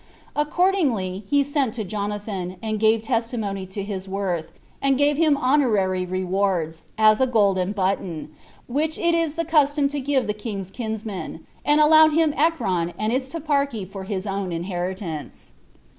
Accordingly, he sent to Jonathan, and gave testimony to his worth; and gave him honorary rewards, as a golden button, 8 which it is the custom to give the king's kinsmen, and allowed him Ekron and its toparchy for his own inheritance.